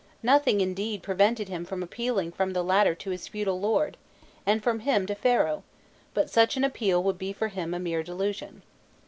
Nothing, indeed, prevented him from appealing from the latter to his feudal lord, and from him to Pharaoh, but such an appeal would be for him a mere delusion.